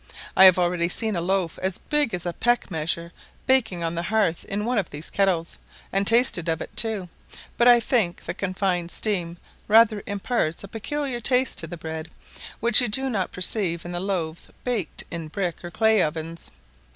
I have already seen a loaf as big as a peck measure baking on the hearth in one of these kettles, and tasted of it, too; but I think the confined steam rather imparts a peculiar taste to the bread, which you do not perceive in the loaves baked in brick or clay ovens.